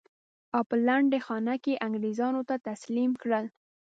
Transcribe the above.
او په لنډۍ خانه کې یې انګرېزانو ته تسلیم کړل.